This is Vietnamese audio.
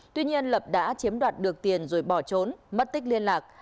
tuy nhiên lập đã chiếm đoạt được tiền rồi bỏ trốn mất tích liên lạc